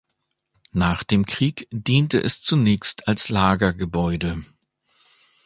Nach dem Krieg diente es zunächst als Lagergebäude.